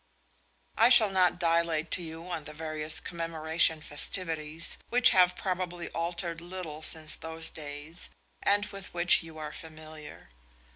I shall not dilate to you on the various Commemoration festivities, which have probably altered little since those days, and with which you are familiar.